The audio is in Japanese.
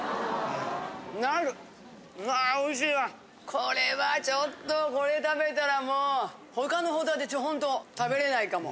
これはちょっとこれ食べたらもう他のホタテホント食べれないかも。